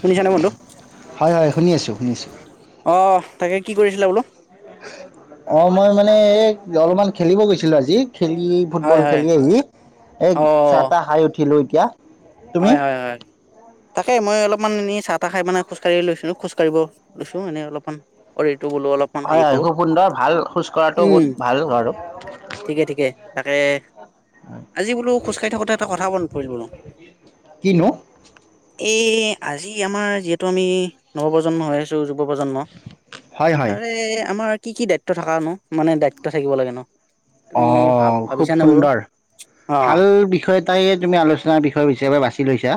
শুনিছানে বন্ধু? হয় হয়, শুনি আছোঁ, শুনি আছোঁ। অ' তাকে কি কৰিছিলা বোলো? অ' মই মানে এই অলপমান খেলিব গৈছিলোঁ আজি, খেলি ফুটবল হয় হয় খেলি আহি এই চাহ অ' তাহ খাই উঠিলোঁ এতিয়া। তুমি? হয় হয় হয়। তাকে মই অলপমান এনেই চাহ তাহ খাই মানে খোজকাঢ়ি লৈছিলোঁ, খোজকাঢ় লৈছোঁ এনেই অলপমান। অ' এইটো বোলো অলপ হয় হয়, খুব সুন্দৰ ভাল, খোজ কঢ়াটোও উম, বহুত ভাল বাৰু। ঠিকে ঠিকে, তাকে আজি বোলো খোজকাঢ়ি থাকোতে এটা কথা মনত পৰিল বোলো। কিনো? এই আজি আমাৰ যিহেতু আমি নৱপ্ৰজন্ম হৈ আছ টো যুৱ প্ৰজন্ম হয় হয় তাৰে আমাৰ কি কি দায়িত ত্ব থাকানো মানে দায়িত্ব থাকিব লাগেনো? অ' খুব সুন্দৰ, ভাল অ' বিষয়ত টাই তুমি আলোচনাৰ বিষয় হিচাপে বাছি লৈছা,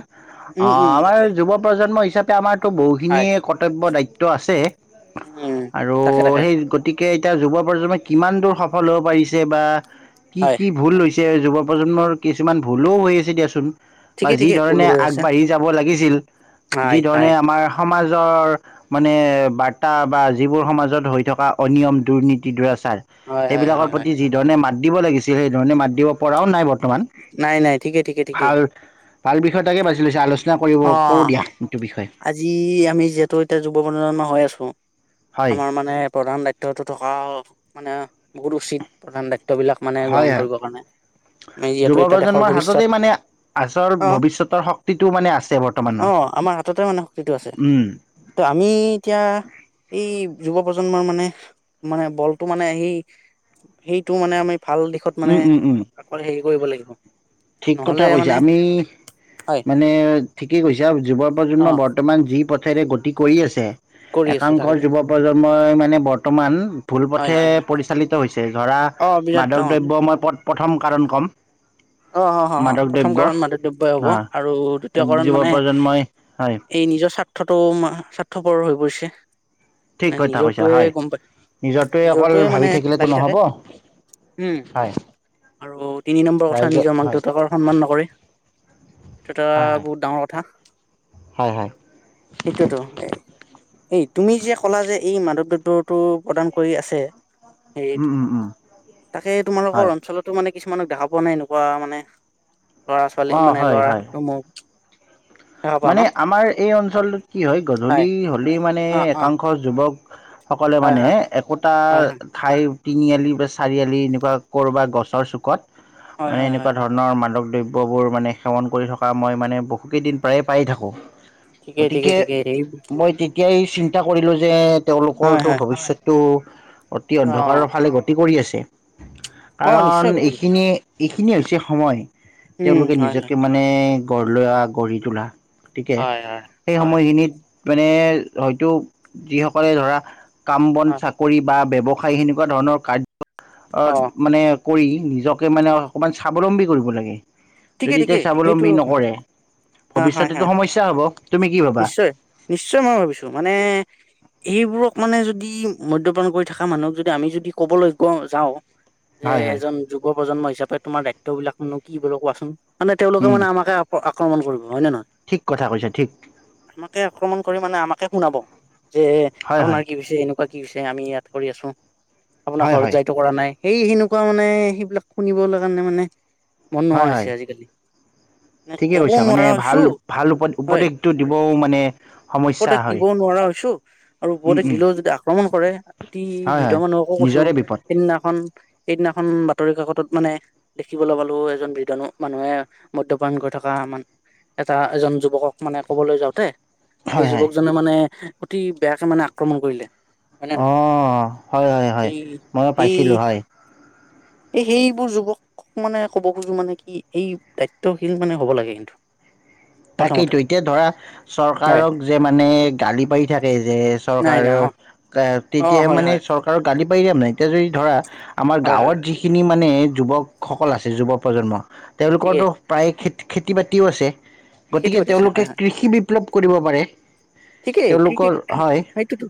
আ, উম উম আমাৰ তাকে যুৱপ্ৰজন্ম হিচাপ এতিয়া আমাৰতো হয় বহুখিনিয়ে কৰ্তব্য, দায়িত্ব আছে উম আৰু তাকে তাকে সেই গতিকে এতিয়া যুৱ প্ৰজন্মে কিমান দূৰ সফল হ'ব পাৰিছে বা কি হয়। কি ভুল লৈ ছে, যুৱপ্ৰজন্মৰ কিছুমান ভুলো হৈ আছে দিয়াচোন। বা ঠিকে যি ঠিকে ফুল ধৰণে হৈ আছে। আগবাঢ়ি যাব লাগিছিল যি হয় ধৰণে হয়। আমাৰ সমাজৰ মানে বাৰ্তা বা যিবোৰ সমাজত হৈ থকা অনিয়ম, দুৰ্নীতি, দূৰাচাৰ হয় হয় সেইবিলাকৰ হয় হয় প্ৰতি যিধৰণে মাত দিব লাগিছিল সেইধৰণে মাত দিব পৰাও নাই বৰ্তমান। নাই নাই ঠিকে ঠিকে ঠিকেই ভাল ভাল বিষয় এটাকে বাজি লৈছা, আলোচনা কৰিব অ কৰোঁ দিয়া সেইটো বিষয়ে। আজি আমি যিহেতু এতিয়া যুৱপ্ৰজজন্ম হৈ আছোঁ হয় আমাৰ মানে প্ৰধান দায়ি ত্বটো থকা মানে বহুত উচিত প্ৰধান দায়িত্ববিলাক মানে গ্ৰহণ কৰিবৰ কাৰণে। আমি যিহেতু এতিয়া দেশৰ যুৱপ্ৰজন্মৰ ভৱিষ্যত হাততেই মানে আচল অ ভৱিষ্যতৰ শক্তিটো মানে আছে বৰ্তমানৰ। ততে মানে শক্তিটো আছে, উম ত' আমি এতিয়া এই যুৱপ্ৰজন্মৰ মানে মানে বলটো মানে সেই সেইটো মানে আমি ভাল দিশত মানে উম উম উম আকল হেৰি কৰিব লাগিব। ঠিক নহলে কথা কৈছা মানে আমি মা হয় মানে ঠিকেই কৈছা যুৱ অ প্ৰজন্ম বৰ্তমান যি পথেৰে গতি কৰি আছে কৰি আছে একাংশ তাকেতো যুৱ প্ৰজন্মই মানে বৰ্তমান ভুল হয় পথে হয় হয় পৰিচালিত হৈছে ধৰা অ বিৰাট মাদক ডাঙৰ দ্ৰব্য মই পত-প্ৰথম কাৰণ ক'ম। অ', অ', অ' মাদক প্ৰথম দ্ৰব্য কাৰণ মান দ্ৰব্যই হ'ব আহ আৰু দ্বিতীয় কাৰণ যুৱ মানে প্ৰজন্মই হয় এই নিজৰ স্বাৰ্থটো মা স্বাৰ্থপৰৰ হৈ পৰিছে। ঠিক নে কথা কৈছা নিজৰটোৱে হয় গম পাই, অকল নিজৰটোৱে ভাবি মানে থাকিলেতো লাগি নহ'ব থাকে। হয় উম। আৰু তিনি নম্বৰ কথা ৰাইজৰ নিজৰ মাক হয় দেউতাকৰ সন্মান নকৰে সেইটো এটা হয় হয় বহুত ডাঙৰ কথা। হয় হয়। সেইটোৱেতো এই, এই তুমি যে ক'লা যে এই মাদক দ্ৰব্যটো প্ৰদান কৰি আছে। হেৰিত উম, উম, উম, তাকে তোমালোকৰ হয়। অঞ্চলতো মানে কিছুমানক দেখা পোৱা নাই ন, পোৱা মানে লৰা ছোৱালী অ', মানে হয়, হয়। লৰাটো মোৰ মানে আমাৰ এই অঞ্চলটোত কি হয় গধূলি হলেই মানে অ অ একাংশ যুৱক, সকলোৱে হয় মানে হয় একোটাৰ, হয় হয় হয় খাই তিনিআলি বা চাৰিআলি এনেকুৱা কৰবা গছৰ চুকত হয় মানে হয় হয় এনেকুৱা হয় ধৰণ, ধৰণৰ মাদক দ্ৰব্যবোৰ মানে সেৱন কৰি থকা মই মানে বহুকেইদিন প্ৰায়ে পাই থাকোঁ। ঠিকেই ঠিকেই গতিকে ঠিকেই সেই মই দি, তেতিয়াই চিন্তা কৰিলো যে হয় তেওঁলোকৰো হয়। ভৱিষ্যতটো অতি অ অন্ধকাৰৰ ফালে গত, তি কৰি আছে, অ কাৰণ নিশ্চয় গতি কৰিছে এইখিনিয়ে এইখিনিয়ে হৈছে সময়। উম তেওঁলোকে হয় হয়। নিজকে মানে গঢ়লোৱা গঢ়ি তোলা, গতিকে হয় হয় সেই হয় সময়খিনিত মানে হয়তো যিসকলে ধৰা, কাম বন হয় চাকৰি বা ব্যৱসায় সেনেকুৱা ধৰণৰ অ কাৰ্যত মানে, কৰি নিজকে মানে অকণমান স্বাৱলম্বী কৰিব লাগে ঠিকে যদি এতিয়া ঠিকেই সেইটো স্বাৱলম্বী কথা নকৰে, হয় হয় ভৱিষ্যতেটো হয়। সমস্যা হব। তুমি কি ভাবা? নিশ্চয় নিশ্চয় মই ভাবিছো মানে, এইবোৰক মানে যদি মদ্যপান কৰি থকা মানুহক যদি আমি যদি কবলৈ গ যাওঁ, যে হয় হয় এজন যুৱ প্ৰজন্ম হিচাপে তোমাৰ দায়িত্ব বিলাকনো কি বাৰু কোৱাচোন মানে তেওঁলোকে উম মানে আমাকে, আক্ৰমণ কৰিব হয় নে নহয়? ঠিক কথা কৈছে ঠিক। আমাকে আক্ৰমণ কৰি মানে আমাকে শুনাব যে হয় হয় আপোনাৰ কি হৈছে এনেকুৱা, কি হৈছে আমি ইয়াত কৰি আছো আপোনাৰ হয় ঘৰত হয় যাইতো কৰা নাই। সেই সেনেকুৱা মানে সেইবিলাক শুনিবলৈ কাৰণে মানে মন হয় নোহোৱা হয় হৈছে আজিকালি। মানে ঠিকে ক'বও কৈছা মানে নোৱাৰা ভাল হৈছো ভাল উপ - হয় উপদেশটো দিবও মানে, সমস্যা উপদেশ দিব হয় নোৱাৰা হৈছো আৰু উম উপদেশ উম দিলেও যদি আক্ৰমণ কৰে অতি হয় বৃদ্ধ হয় মানুহক, নিজৰে বিপদ। সেইদিনাখন সেইদিনাখন বাতৰি কাকতত মানে দেখিবলৈ পালো এজন বৃদ্ধানু, মানুহে মদ্যপান কৰি থকা মান এটা এজন যুৱকক মানে ক'বলৈ যাওঁতে, হয় সেই হয় যুৱকজনে মানে অতি বেয়াকে মানে আক্ৰমণ কৰিলে। হয় নে অ নহয় হয় হয় হয় এই ময়ো সেই পাইছিলোঁ হয়। এই সেইবোৰ যুৱকক মানে ক'ব খোজো মানে কি, এই দায়িত্বশীল মানে হ'ব লাগে কিন্তু। প্ৰথমতে তাকেইতো এতিয়া ধৰা হয় চৰকাৰক যে মানে গালি পাৰি থাকে যে, নাই নাই অ চৰকাৰৰ অ তেতিয়াহে হয় মানে হয় চৰকাৰক গালি পাৰি লাভ নাই এতিয়া যদি ধৰা, আমাৰ হয় হয় গাঁৱত হয় যিখিনি মানে যুৱকসকল আছে যুৱ প্ৰজন্ম ঠিকেই তেওঁলোকৰটো, প্ৰায় খেত খেতি বাতিও আছে। সেইটো গতিকে পাতিছে হয় তেওঁলোকে হয় কৃষি বিপ্লৱ কৰিব পাৰে। ঠিকেই কৃষি তেওঁলোকৰ কি হয় সেইটোতো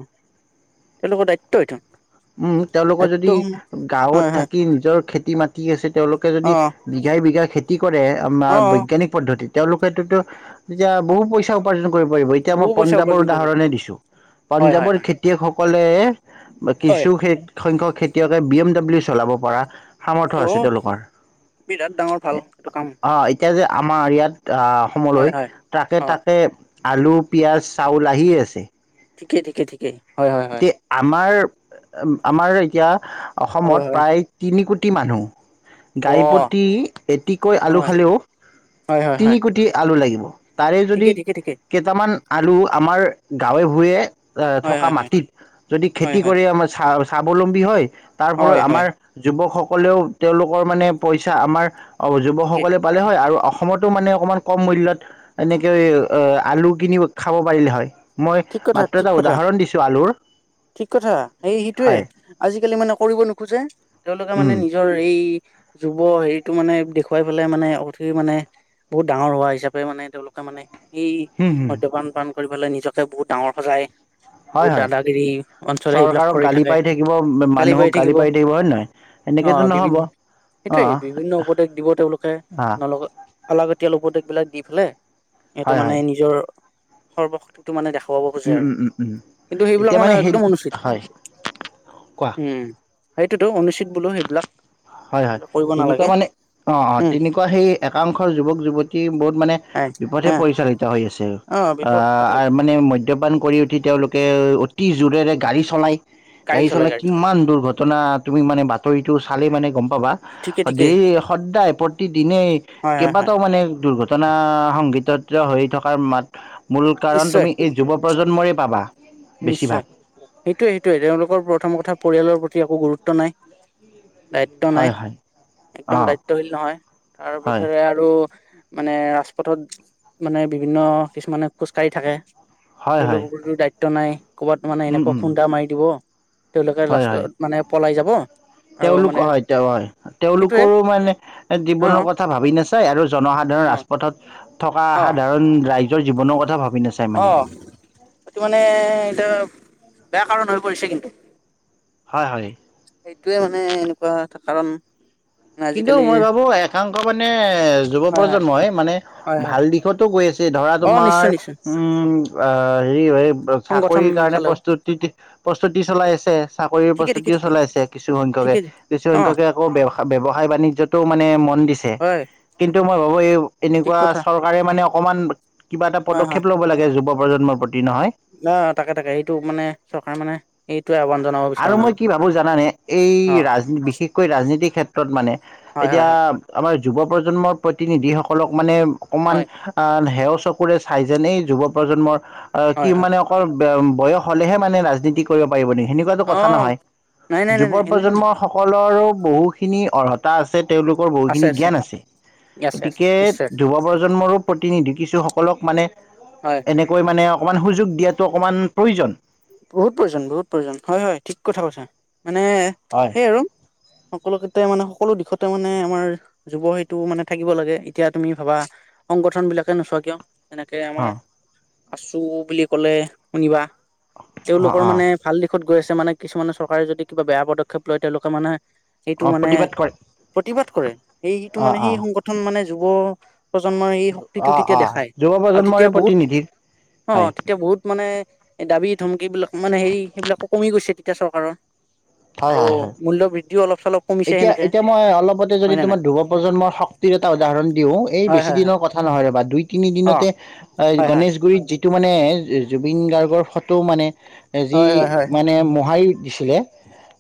তেওঁলোকৰ দায়িত্ব এইটো। উম তেওঁলোকৰ দায়িত্ব যদি গাঁৱত হয় হয় থাকি নিজৰ খেতি মাতি আছে তেওঁলোক, তই অ যদি বিঘাই বিঘাই খেতি কৰে অ অ আমাৰ বৈজ্ঞানিক, পদ্ধতি, তেওঁলোকতো এতিয়া বহু পইচা উপাৰ্জন কৰিব পাৰিব এতিয়া বহু মই পইচা পঞ্জাৱৰ উপাৰ্জন কৰিব পাৰিব উদাহৰণে দিছো হয় হয় পাঞ্জাৱৰ হয় খেতিয়কসকলে, হয় কিছু খে সংখ্যক খেতিয়কে বি এম ডাব্লিউ চলাব পৰা, সামৰ্থ অ আছে তেওঁলোকৰ, বিৰাট ডাঙৰ ভাল এ এইটো কাম অঁ এ এতিয়া যে আমাৰ ইয়াত আহ অসমলৈ হয় হয় ট্ৰাকে হয় ট্ৰাকে আলু, পিঁয়াজ, চাউল আহি আছে ঠিকেই ঠিকেই ঠিকেই। হয় হয় হয় এতিয়া আমাৰ এ আমাৰ এতিয়া অসমত হয় হয় প্ৰায় তিনি কোটি মানুহ। অ গাই প্ৰতি এটিকৈ আলু হয় খালেও, হয় হয় তিনি হয় কোটি আলু লাগিব। তাৰে যদি ঠিকেই ঠিকে ঠিকে কেইটামান আলু আমাৰ গাঁৱে ভূঞে এ হয় থকা হয় হয় মাত যদি হয় খেতি হয় কৰি আমাৰ স্বা স্বাৱলম্বী হয় তাৰ ফলত হয় হয় আমাৰ যুৱক সকলেও তেওঁলোকৰ মানে পইচা আমাৰ অ' যুৱক ঠিকেই সকলে পালে হয় আৰু অসমতো মানে অকমান কম মূল্যত এনেকে এই অ ৱ আলু কিনি খাব পাৰিলে হয়, মই ঠিক কথা মাত্ৰ ঠিক এটা কথা উদাহৰণ দিছো। ঠিক কথা সেই ইটোৱে হয় আজিকালি মানে কৰিব নোখোজে তেওঁলোকে উম, মানে নিজৰ এই যুৱ হেৰিটো মানে দেখুৱাই পেলাই মানে অতি মানে বহুত ডাঙৰ হোৱা হিচাপে মানে তেওঁলোকে মানে এই হম, হম, মদ্যপান পান পান কৰি পেলাই নিজকে বহুত ডাঙৰ সজাই হয় বহুত হয়, দাদাগিৰি অঞ্চল সেইবিলাক চৰকাৰক কৰি গালি থাকে পাৰি থাকিব। বে মানুহক গালি পাৰ থাকিব, হয় নহয় এনেকেতো নহ'ব সেইটোৱেই অ', বিভিন্ন উপদেশ দিব তেওঁলোকে, অ', নলগত অলাগতিয়াল উপদেশ বিলাক দি পেলে সিহঁতে হয় মানে হয়, নিজৰ সৰ্বশক্তিটো মানে দেখা খোৱাব খুজে উম, আৰু উম, উম, উম। কিন্তু সেইবিলাক এতিয়া মানে সেই একদম অনুচিত। হয় কোৱা। উম, সেইটোতো অনুচিত বোলো সেইবিলাক। হয় হয়। কৰিব তেনেকুৱা নালাগে মানে অঁ অঁ উম তেনেকুৱা সেই একাংশ যুৱক যুৱতী বহুত মানে হয় বিপথে হা পৰিচালিত হৈ আছে। অ বিপদ তাকে আহ মানে মদ্যপান কৰি উঠি তেওঁলোকে অতি জোৰেৰে গাড়ী চলায়। গাড়ী চলায় কিমান দুৰ্ঘটনা তুমি মানে বাতৰিটো চালে মানে গ'ম পাবা। ঠিকে অ' ঠিকে ডেইলী সদায়, প্ৰতিদিনেই হয় হয় হয় কেইবাটাও মানে দুৰ্ঘট টনা সংঘিটিত হৈ থকাৰ মাত মূল কাৰণ নিশ্চয় তুমি এই যুৱ প্ৰজন্মৰেই পাবা। নিশ্চয় বেছিভাগ সেইটোৱে সেইটোয়েই তেওঁলোকৰ প্ৰথম কথা পৰিয়ালৰ প্ৰতি একো গুৰুত্ব নাই। দায়িত্ব নাই, হয় হয় অ একদম দায়িত্বশীল নহয়। হয় তাৰপথৰে আৰু মানে ৰাজপথত মানে বিভিন্ন কিছুমানে খোজ কাঢ়ি থাকে। হয় হয় তেওঁলোকৰতো দায়িত্ব নাই, ক'বাত মানে উম এনেকুৱা উম খুন্দা মাৰি দিব, তেওঁলোকে হয় হয় লাষ্টত মানে পলাই যাব আৰু তেওঁলোক মানে হয় তেওঁ হয় সেইটোৱে তেওঁলোকৰো মানে অ জীৱনৰ কথা ভাবি নাচায়, আৰু জনসাধাৰণ অ ৰাজপথত থকা সাধাৰণ ৰাইজৰ জীৱনৰ কথা ভাবি নেচা অঁ সেইটো মানে এতিয়া বেয়া কাৰণ হৈ পৰিছে কিন্তু। হয় হয়। সেইটোয়ে মানে এনেকুৱা এটা কাৰণ কিন্তু আজিকালি মই ভাবো, একাংশ মানে যুৱ হয় হয় প্ৰজন্মই মানে হয় হয় ভাল দিশতো গৈ আছে, ধৰা অ তোমাৰ নিশ্চয় নিশ্চয় উম অ হেৰি সংগঠন চাকৰিৰ কাৰণে চালেও প্ৰস্তুতি প্ৰস্তুতি চলাই আছে, চাকৰিৰ ঠিকে ঠিকে প্ৰস্তুতিও ঠিকে চলাইছে কিছু সংখ্যকে। ঠিকে কিছু অ সংখ্যকে আকৌ ব্য ব্য ব্যৱসায় সায় বাণিজ্যটো মানে মন দিছে, হয় কিন্তু মই ভাবো এই ঠিক এনেকোৱা কথা চৰ তাৰে মানে অকণমান কিবা এটা হয় পদক্ষেপ লব লাগে, যুৱ প্ৰজন্মৰ প্ৰতি নহয়। অ তাকে তাকে, এইটো মানে চৰকাৰে মানে এইটোয়ে আহ্বান। জনাব আৰু বিচাৰো মই কি ভাবো জানানে এই অ ৰাজ বিশেষকৈ ৰাজনীতিৰ ক্ষেত্ৰত মানে, হয় হয় এতিয়া হয় আমাৰ যুৱ প্ৰজন্মৰ প্ৰতিনিধি সকলক মানে অকমান। হয় অ হেও চকুৰে চাই যেন এই যুৱ প্ৰজন্মৰ আহ হয় কি হয় মানে, বয়স হলেহে মানে ৰাজনীতি কৰিব পাৰিব নেকি। সেনে, টো অ কথা নহয়। নাই নাই নাই যুৱ নাই এনেকুৱা নাই প্ৰজন্ম সকলৰো বহুখিনি অৰ্হতা আছে। তেওঁলোকৰ বহুখিনি জ্ঞান আছে, আছে আছে গতিকে নিশ্চয় আছে যুৱ প্ৰজন্মৰো প্ৰতিনিধি কিছুসকলক মানে, হয়। এনেকৈ মানে অকণমান সুযোগ দিয়াটো অকণমান প্ৰয়োজন। বহুত প্ৰয়োজন বহুত প্ৰয়োজন হয় হয়, ঠিক কথা কৈছা। মানে হয়। সেয়ে আৰু, সকলতে মানে সকলো দিশতে মানে আমাৰ যুৱ সেইটো মানে থাকিব লাগে। এতিয়া তুমি ভাবা, সংগঠন বিলাকে নোচোৱা কিয়, যেনেকে আমাৰ অ', আচু বুলি কলে শুনিবা, অ', তেওঁলোকৰ অ', মানে ভাল দিশত গৈ আছে মানে, কিছুমানে চৰকাৰে যদি কিবা বেয়া পদক্ষেপ লয় তেওঁলোকে মানে, সেইটো অ', মানে প্ৰতিবাদ কৰে প্ৰতিবাদ কৰে, এই সেইটো অ', মানে সেই অ', সংগঠন মানে যুৱ, প্ৰজন্মই এই শক্তিটো অ', তেতিয়া অ', দেখায়, যুৱ আৰু প্ৰজন্মৰে তেতিয়া বহুত প্ৰতিনিধি অ, হয়। এতিয়া বহুত মানে দাবী ধমকি বিলাক মানে হেৰি সেইবিলাকো কমি গৈছে, তেতিয়া চৰকাৰৰ। হয়, আৰু হয়, হয়। মূল্যবৃদ্ধিও অলপ চলপ, কমিছে এতিয়া সেনেকে এতিয়া মই অলপতে যদি হয় নে নাই তোমাৰ যুৱ প্ৰজন্মৰ শক্তিৰ এটা উদাহৰণ দিওঁ, এই হয় বেছি হয় হয় দিনৰ কথা নহয় ৰবা দুই তিনি অ দিনতে এই হয় হয় গণেশগুৰিত যি এইটো মানে, জুবিন গাৰ্গৰ ফটো মানে যি হয় হয় হয় মানে মোহাৰি দিছিলে,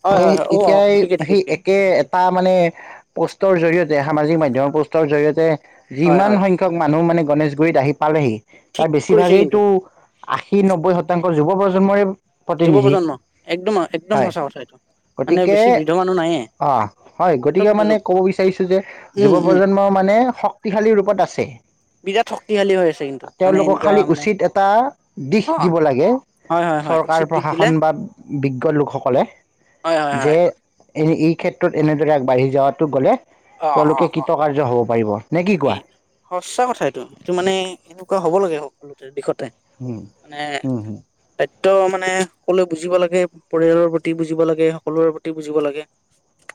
হয় হয় এই হয় অ অ তেতিয়াই ঠিকে ঠিকে সেই ঠিকে একে এটা মানে পষ্টৰ জৰিয়তে সামাজিক মাধ্যমৰ পষ্টৰ জৰিয়তে, হয় যিমান হয় সংখ্যাক মানুহ মানে গণেশগুৰিত আহি পালেহি তাৰ ঠিক কৰিছে কিন্তু বেছিভাগেইতো, এইটো আশী নব্বৈ শতাংশ যুৱ প্ৰজন্মই, যুৱ প্ৰজন্ম একদম একদম হয় সঁচা কথা এইটো, মানে গতিকে বেছি বৃদ্ধ মানুহ নাইয়েই। অ হয়। গতিকে মানে ক'ব বিচাৰিছো যে উম যুৱ উম প্ৰজন্মৰ মানে, শক্তি শক্তিশালী ৰূপত আছে। বিৰাত শক্তিশালী হৈ আছে, কিন্তু মানে এনেকুৱা মানে, তাৰ, দিশ অ দিব লাগে, হয় হয় হয় চৰকাৰ উচিত দিশ দিলে প্ৰশাসন বা বিজ্ঞ লোকসকলে হয় হয় হয়। এনে এই ক্ষেত্ৰত এনেদৰে আগবাঢ়ি যোৱাতো গলে তেওঁলোকে কৃতকাৰ্য হব পাৰিব। নে কি কোৱা? সচা কথা এইটো এইটো মানে এনেকুৱা হব লাগে সকলো দিশতে। উম, মানে উম, হুম, দায়িত্ব মানে সকলোৱে বুজিব লাগে। পৰিয়ালৰ প্ৰতি বুজিব লাগে, সকলোৰে প্ৰতি বুজিব লাগে।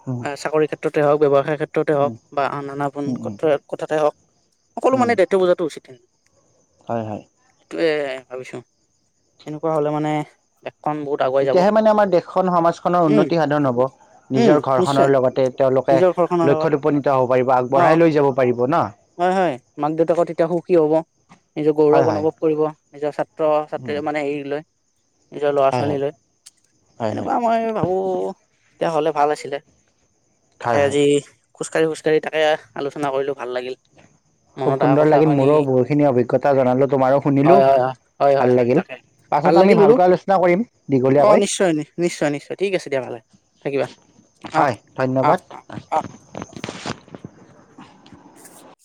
হম [inaudible] চাকৰিৰ ক্ষেত্ৰতে হওক, ব্যৱসায়ৰ ক্ষেত্ৰতে হওক। বা আন আন উম, উম, [unintelligible] কথাতে হওঁক সকলো উম, মানে দায়িত্ব বুজাটো উচিত। হয় হয়। এইটোৱেই ভাবিছো, এনেকুৱা হলে মানে দেশখন বহুত, আগুৱাই যাব তেতিয়াহে মানে আমাৰ দেশখন সমাজখনৰ উম উন্নতি সাধন হব। উম নিজৰ নিশ্চয় ঘৰখনৰ লগতে তেওঁলোকে নিজৰ ঘৰখনৰ লগত লক্ষ্যত উপনীত হ'ব পাৰিব আগবঢ়াই লৈ যাব পাৰিব ন। হয়-হয়, মাক-দেউতাকেও তেতিয়া সুখী হ'ব। নিজৰ হয়, গৌৰৱ হয়, অনুভৱ কৰিব। নিজৰ উম, ছাত্ৰ-ছাত্ৰীৰ মানে হেৰি লৈ। নিজৰ হয়, লৰা-ছোৱালী হয়, লৈ হয়, হয়, এনেকুৱা মই ভাবোঁ এতিয়া হ'লে ভাল আছিলে। হয়, তাকে হয়। আজি খোজকাঢ়ি-খোজকাঢ়ি তাকে আলোচনা কৰিলোঁ ভাল লাগিল। খুব মনত অহা সুন্দৰ কথা লাগিল খিনি মোৰো বহুখিনি অভিজ্ঞতা জনালো তোমাৰো শুনিলো ভাল হয়-হয়-হয়-হয়-হয়-হয় লাগিল। তাকে। ভাল পাছত আমি লাগিল বোলো। ভালকৈ আলোচনা কৰিম অ দীঘলীয়াকৈ নিশ্চয়-নিশ্চয়-নিশ্চয় ঠিক আছে দিয়া ভালে থাকিবা। অ হয়, অ ধন্যবাদ। অ অ